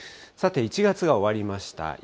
さて、１月が終わりました。